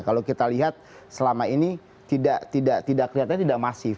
kalau kita lihat selama ini tidak kelihatan tidak masif